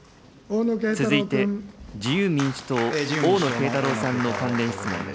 続いて自由民主党、大野敬太郎さんの関連質問です。